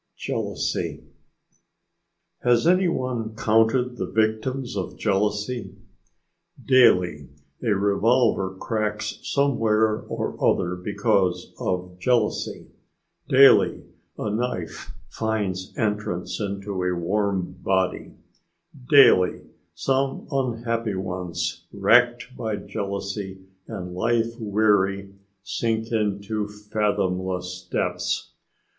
JEALOUSY Has any one counted the victims of jealousy? Daily a revolver cracks somewhere or other because of jealousy; daily a knife finds entrance into a warm body; daily some unhappy ones, racked by jealousy and life weary, sink into fathomless depths.